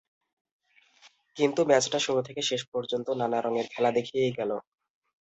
কিন্তু ম্যাচটা শুরু থেকে শেষ পর্যন্ত নানা রঙের খেলা দেখিয়েই গেল।